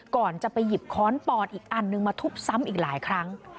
ก่อนจะไปหยิบค้อนปอนอีกอันนึงมาทุบซ้ำอีกหลายครั้ง